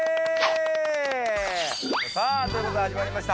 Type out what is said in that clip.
さぁ、ということで始まりました。